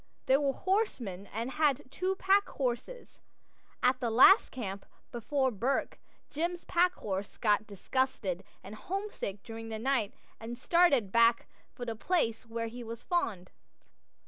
They were horsemen and had two packhorses. At the last camp before Bourke Jim's packhorse got disgusted and home sick during the night and started back for the place where he was foaled.